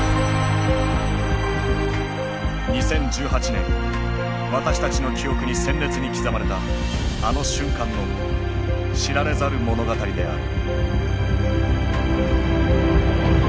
２０１８年私たちの記憶に鮮烈に刻まれたあの瞬間の知られざる物語である。